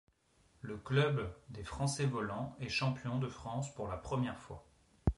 Le club des Français Volants est champion de France pour la première fois.